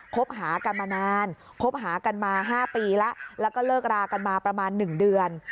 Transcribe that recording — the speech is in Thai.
คบหากันมานานคบหากันมา๕ปีแล้วแล้วก็เลิกรากันมาประมาณ๑เดือน